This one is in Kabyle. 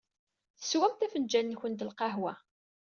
Teswamt afenǧal-nkent n lqahwa.